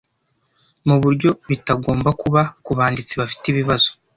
mu buryo bitagomba kuba ku banditsi bafite ibibazo,